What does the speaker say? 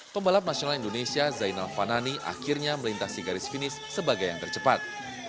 pembalap nasional indonesia zainal fanani akhirnya melintasi garis finish sebagai yang tercepat